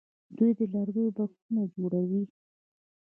دوی د لرګیو بکسونه جوړوي.